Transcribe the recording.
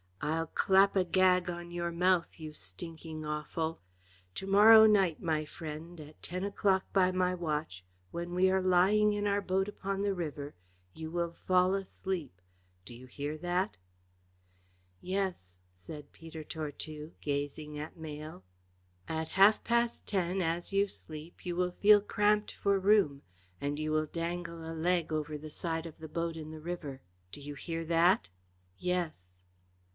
I'll clap a gag on your mouth, you stinking offal! To morrow night, my friend, at ten o'clock by my watch, when we are lying in our boat upon the river, you will fall asleep. Do you hear that?" "Yes," said Peter Tortue, gazing at Mayle. "At half past ten, as you sleep, you will feel cramped for room, and you will dangle a leg over the side of the boat in the river. Do you hear that?" "Yes!"